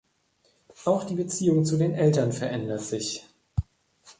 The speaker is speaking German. Auch die Beziehung zu den Eltern verändert sich.